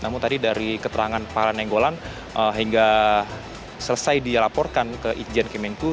namun tadi dari keterangan pak lana enggolan hingga selesai dilaporkan ke itjen kemenku